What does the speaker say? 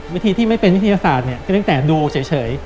วิธีที่ไม่เป็นวิทยาศาสตร์เนี่ยก็ตั้งแต่ดูเฉย